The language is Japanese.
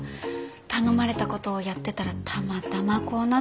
頼まれたことをやってたらたまたまこうなっただけで。